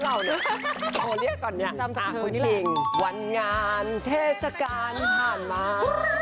โทรเรียกก่อนอย่างนี้หรืออ่ะคุณคิงวันงานเทศการผ่านมา